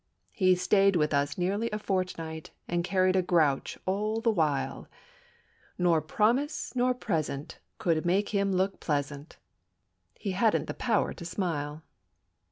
He stayed with us nearly a fortnight And carried a grouch all the while, Nor promise nor present could make him look pleasant; He hadn't the power to smile.